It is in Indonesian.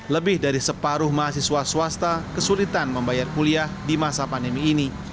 lebih dari separuh mahasiswa swasta kesulitan membayar kuliah di masa pandemi ini